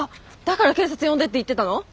だから警察呼んでって言ってたの？